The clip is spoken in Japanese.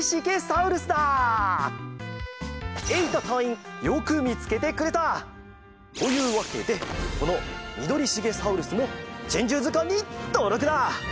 えいたたいいんよくみつけてくれた！というわけでこのミドリシゲサウルスも「珍獣図鑑」にとうろくだ！